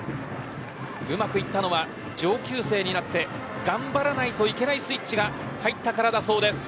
うまくいったのは上級生になって頑張らないといけないスイッチが入ったからだそうです。